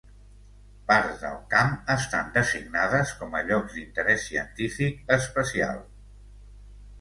Parts del camp estan designades com a llocs d'interès científic especial.